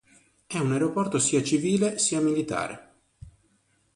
É un aeroporto sia civile, sia militare.